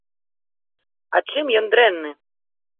А чым ён дрэнны?